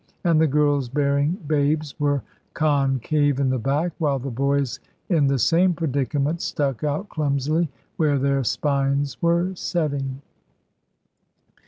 And the girls bearing babes were concave in the back, while the boys in the same predicament stuck out clumsily where their spines were setting.